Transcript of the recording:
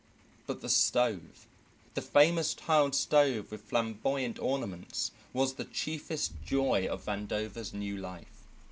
But the stove, the famous tiled stove with flamboyant ornaments, was the chiefest joy of Vandover's new life.